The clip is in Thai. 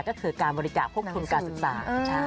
ก็คือการบริจาคภูมิการศึกษา